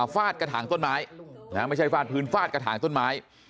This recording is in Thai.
ฟาดกระถางต้นไม้ไม่ใช่ฟาดพื้นฟาดกระถางต้นไม้